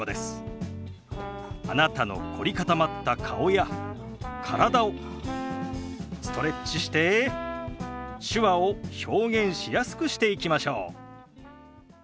あなたの凝り固まった顔や体をストレッチして手話を表現しやすくしていきましょう。